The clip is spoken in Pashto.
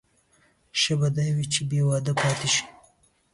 ښه به دا وي چې بې واده پاتې شي.